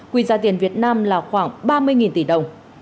quy giá tiền việt nam là khoảng ba mươi tỷ đồng